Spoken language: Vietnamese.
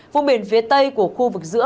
vùng biển phía tây của khu vực giữa